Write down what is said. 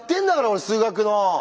俺数学の。